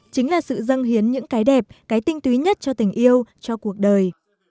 chính là sự dân hiến những cái đẹp cái tinh túy nhất cho tình yêu cho cuộc đời